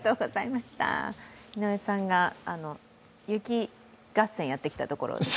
井上さんが雪合戦やってきたところですね。